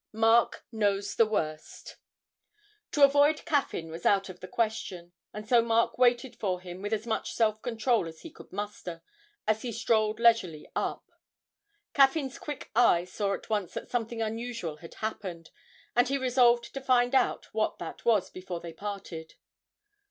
MARK KNOWS THE WORST. To avoid Caffyn was out of the question, and so Mark waited for him with as much self control as he could muster, as he strolled leisurely up. Caffyn's quick eye saw at once that something unusual had happened, and he resolved to find out what that was before they parted.